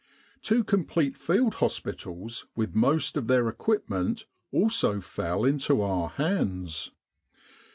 Two complete field hospitals with most of their equipment also fell into our hands.